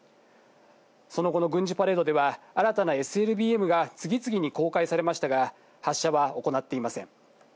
その後の軍事パレードでは、新たなＳＬＢＭが次々に公開されましたが、発射は行っていません。